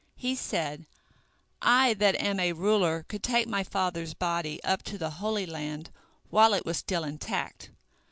He said: "I that am a ruler could take my father's body up to the Holy Land while it was still intact.